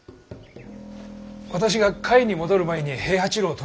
私が甲斐に戻る前に平八郎を説き伏せます。